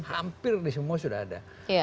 hampir semua sudah ada